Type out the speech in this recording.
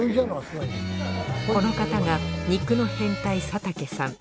この方が肉の変態佐竹さん。